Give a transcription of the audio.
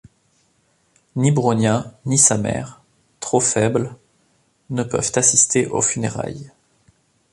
Ni Bronia, ni sa mère, trop faibles, ne peuvent assister aux funérailles.